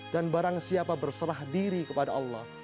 dan barang siapa berserah diri kepada allah